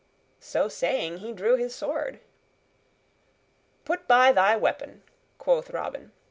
So saying, he drew his sword. "Put by thy weapon," quoth Robin.